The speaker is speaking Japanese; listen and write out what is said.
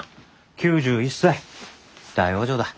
９１歳大往生だ。